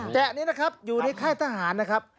นี้นะครับอยู่ในค่ายทหารนะครับ